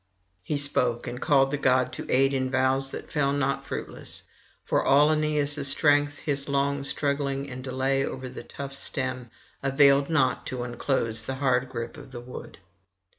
He spoke, and called the god to aid in vows that fell not fruitless. For all Aeneas' strength, his long struggling and delay over the tough stem availed not to unclose the hard grip of the wood.